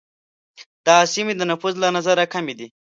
دا سیمې د نفوس له نظره کمي دي.